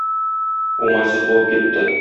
Уңайсыз булып китте.